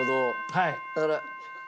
はい。